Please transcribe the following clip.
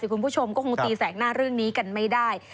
คุณผู้ชมก็คงตีแสกหน้าเรื่องนี้กันไม่ได้